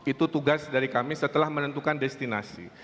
itu tugas dari kami setelah menentukan destinasi